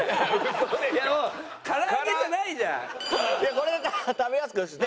これで食べやすくして。